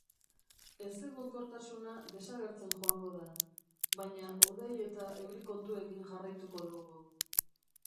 Ezegonkortasuna desagertzen joango da, baina hodei eta euri kontuekin jarraituko dugu.